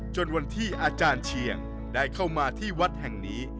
จนวันที่อาจารย์เชียงได้เข้ามาที่วัดแห่งนี้